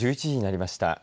１１時になりました。